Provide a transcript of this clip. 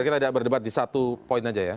kita tidak berdebat di satu poin aja ya